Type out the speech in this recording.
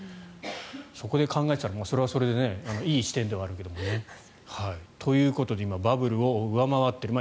そこで考えてたら、それはそれでいい視点ではあるけどもね。ということで今、バブルを上回っている。